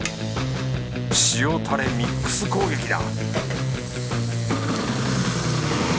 塩タレミックス攻撃だ